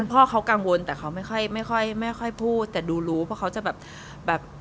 คุณพ่อเค้ากังวลแต่เค้าไม่ค่อยพูดแต่ดูรู้เพราะเค้าจะแบบ